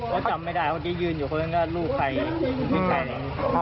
เขาจำไม่ได้เขาที่ยืนอยู่เพราะฉะนั้นก็ลูกไปอีกที